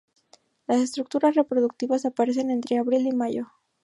Las estructuras reproductivas aparecen entre abril y mayo.